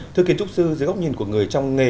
thưa kiến trúc sư dưới góc nhìn của người trong nghề